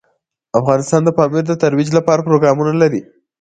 افغانستان د پامیر د ترویج لپاره پروګرامونه لري.